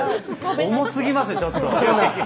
重すぎますねちょっと。